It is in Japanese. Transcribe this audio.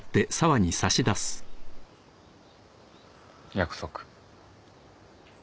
約束。